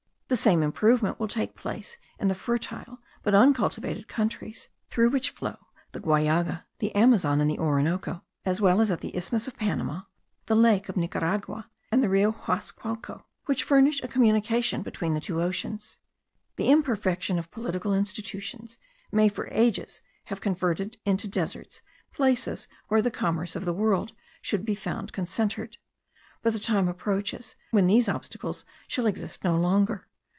The same improvement will take place in the fertile but uncultivated countries through which flow the Guallaga, the Amazon, and the Orinoco; as well as at the isthmus of Panama, the lake of Nicaragua, and the Rio Huasacualco, which furnish a communication between the two oceans. The imperfection of political institutions may for ages have converted into deserts places where the commerce of the world should be found concentred; but the time approaches when these obstacles shall exist no longer.